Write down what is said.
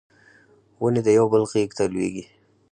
ونې د یو بل غیږ ته لویږي